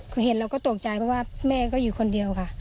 คือเห็นเราก็ตกใจเพราะว่าแม่ก็อยู่คนเดียวค่ะ